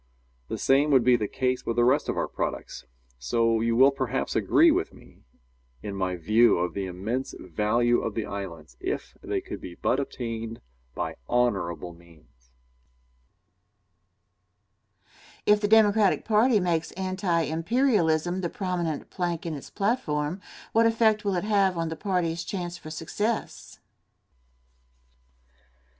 The same would be the case with the rest of our products. So you will perhaps agree with me in my view of the immense value of the islands if they could but be obtained by honorable means. Question. If the Democratic party makes anti imperialism the prominent plank in its platform, what effect will it have on the party's chance for success?